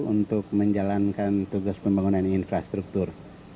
untuk menjalankan tugas pembangunan infrastruktur